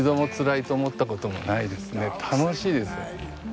楽しいですよ。